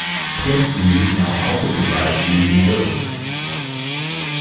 PlusNews now also provides news in Arabic.